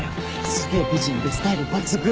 すげえ美人でスタイル抜群の。